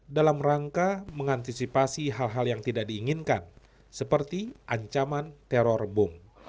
dalam rangka mengantisipasi hal hal yang tidak diinginkan seperti ancaman teror bom